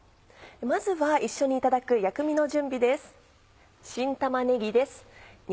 まずは一緒にいただく薬味の準備です。